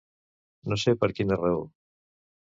No sé per quina raó.